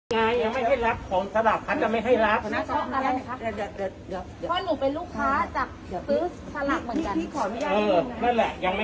ยังไม่ให้รับของสลักเขาจะไม่ให้รับนะ